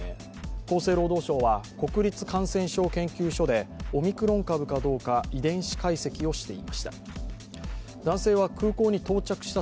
厚生労働省は国立感染症研究所でオミクロン株かどうか遺伝子解析をしていました。